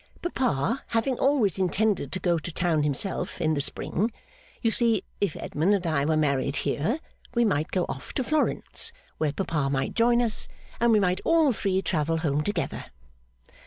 Papa having always intended to go to town himself, in the spring, you see, if Edmund and I were married here, we might go off to Florence, where papa might join us, and we might all three travel home together.